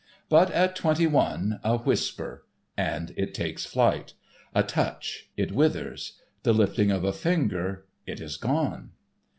But at twenty one, a whisper—and it takes flight; a touch—it withers; the lifting of a finger—it is gone.